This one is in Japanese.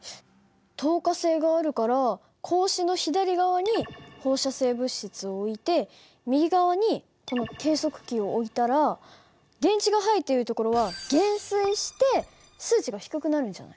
透過性があるから格子の左側に放射性物質を置いて右側にこの計測器を置いたら電池が入ってる所は減衰して数値が低くなるんじゃない？